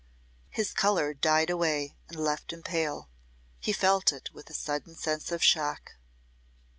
His colour died away and left him pale he felt it with a sudden sense of shock.